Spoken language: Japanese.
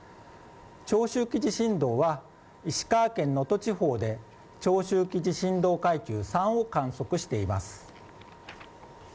長周期地震動は石川県能登地方で長周期地震動階級３を観測しています。